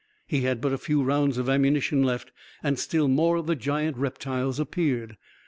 He had but a few rounds of ammunition left, and still more of the giant reptiles appeared.